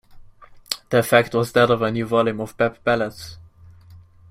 The effect was that of a new volume of Bab Ballads.